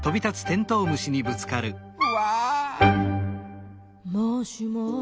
うわ！